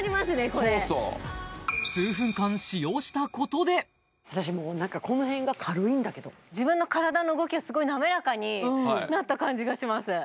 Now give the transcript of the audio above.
これそうそう数分間使用したことで私もうこの辺が軽いんだけど自分の体の動きがすごい滑らかになった感じがします